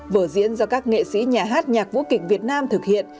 vở diễn do các nghệ sĩ nhà hát nhạc vũ kịch việt nam thực hiện